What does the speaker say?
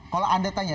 kalau anda tanya